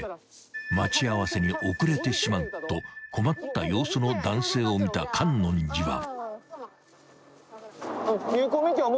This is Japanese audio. ［待ち合わせに遅れてしまうと困った様子の男性を見た觀音寺は］